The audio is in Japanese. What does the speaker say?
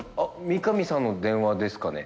三神さんの電話ですかね？